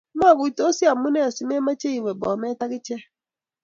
Maguitosi amunee simemache iwe Bomet akichek